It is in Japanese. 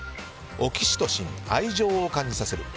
オキシトシン、愛情を感じさせる。